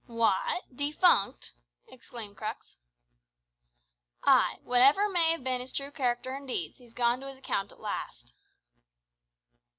"What! defunct?" exclaimed Crux. "Ay. Whatever may have bin his true character an' deeds, he's gone to his account at last."